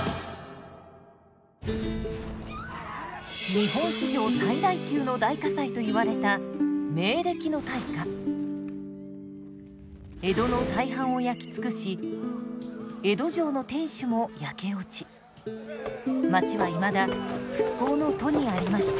日本史上最大級の大火災といわれた江戸の大半を焼き尽くし江戸城の天守も焼け落ち町はいまだ復興の途にありました。